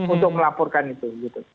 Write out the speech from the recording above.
untuk melaporkan itu